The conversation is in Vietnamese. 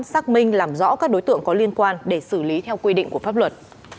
xác minh làm rõ các đối tượng có liên quan để xử lý theo quy định của pháp luật